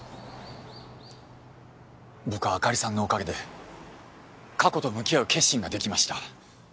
僕は朱莉さんのおかげで過去と向き合う決心ができました。